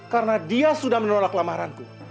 karena dia sudah menolak lamaranku